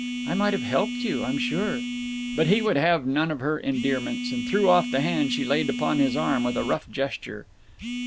I might have helped you, I'm sure." But he would have none of her endearments, and threw off the hand she laid upon his arm with a rough gesture.